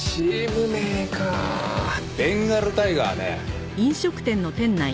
ベンガルタイガーね。